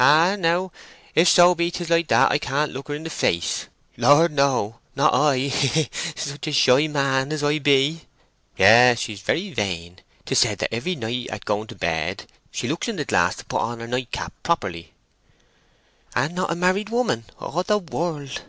"Ah, now. If so be 'tis like that, I can't look her in the face. Lord, no: not I—heh heh heh! Such a shy man as I be!" "Yes—she's very vain. 'Tis said that every night at going to bed she looks in the glass to put on her night cap properly." "And not a married woman. Oh, the world!"